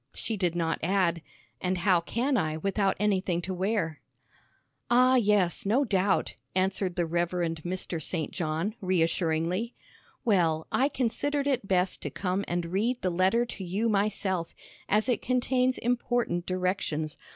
She did not add, "And how can I, without anything to wear?" "Ah, yes, no doubt," answered the Rev. Mr. St. John, reassuringly. "Well, I considered it best to come and read the letter to you myself, as it contains important directions.